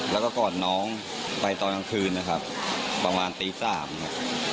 แล้วก็กอดน้องไปตอนกลางคืนนะครับประมาณตีสามครับ